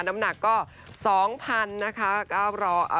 น้ำหนักก็๒๐๐๐นะคะ